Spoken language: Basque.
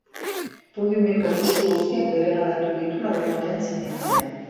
Podiumeko postu guztiak bereganatu ditu larunbatean zein igandean.